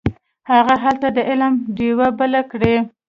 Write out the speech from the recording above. هغه هلته د علم ډیوې بلې کړې.